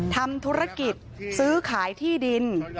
ทำธุรกิจซื้อขายที่ดิน